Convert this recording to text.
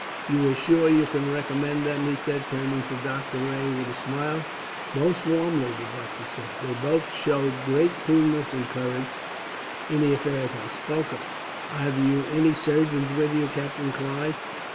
"You are sure you can recommend them?" he said, turning to Doctor Rae with a smile. "Most warmly," the doctor said. "They both showed great coolness and courage, in the affairs I spoke of. Have you any surgeons with you, Captain Clive?